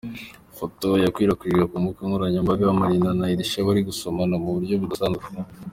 Ifoto yakwirakwijwe ku mbuga nkoranyambaga Marina na Edsha bari gusomana mu buryo budasanzwe.